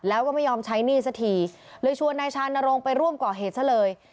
แล้วก็ไม่ยอมใช้หนี้สักทีเลยชวนนายชานรงค์ไปร่วมก่อเหตุซะเลย